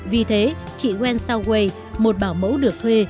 vì thế chị gwen soutway một bảo mẫu được thuê